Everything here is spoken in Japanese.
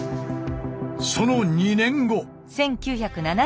その２年後！